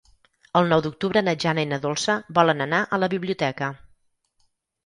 El nou d'octubre na Jana i na Dolça volen anar a la biblioteca.